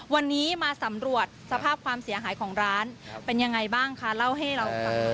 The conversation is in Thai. วันนี้มาสำรวจสภาพความเสียหายของร้านเป็นยังไงบ้างคะเล่าให้เราฟัง